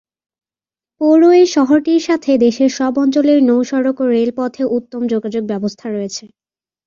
পৌর এই শহরটির সাথে দেশের সব অঞ্চলের নৌ-সড়ক ও রেলপথে উত্তম যোগাযোগ ব্যবস্থা রয়েছে।